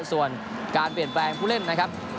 ส่วนการเปลี่ยนแปลงผู้เล่นนะครับ